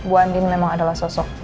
ibu andin memang adalah sosok